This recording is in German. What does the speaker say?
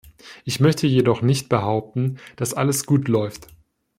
Ich möchte jedoch nicht behaupten, dass alles gut läuft.